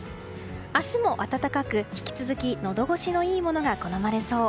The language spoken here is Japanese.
明日も暖かく、引き続きのど越しのいいものが好まれそう。